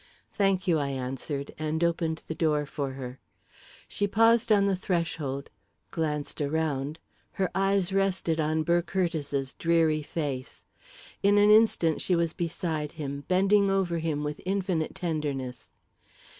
"Thank you," I answered, and opened the door for her. She paused on the threshold glanced around her eyes rested on Burr Curtiss's dreary face. In an instant, she was beside him, bending over him with infinite tenderness.